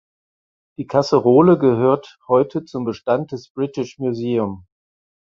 Die Kasserolle gehört heute zum Bestand des British Museum.